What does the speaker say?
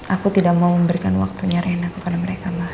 aku tidak mau memberikan waktunya rena kepada mereka mbak